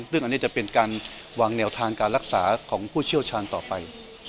ซึ่งอันนี้จะเป็นการวางแนวทางการรักษาของผู้เชี่ยวชาญต่อไป